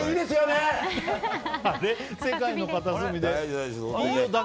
世界の片隅で。